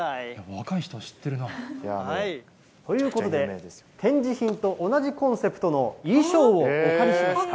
若い人は知ってるな。ということで、展示品と同じコンセプトの衣装をお借りしました。